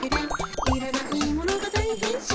「いらないものがだいへんしん」